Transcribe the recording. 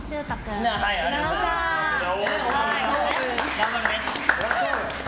頑張るね。